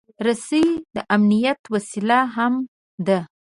رسۍ د امنیت وسیله هم ده.